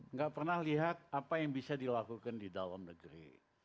nggak pernah lihat apa yang bisa dilakukan di dalam negeri